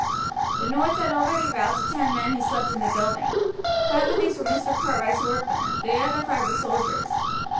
The noise had already roused the ten men who slept in the building; five of these were Mr. Cartwright's workmen, the other five were soldiers.